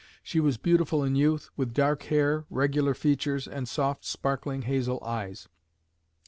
She was beautiful in youth, with dark hair, regular features, and soft sparkling hazel eyes.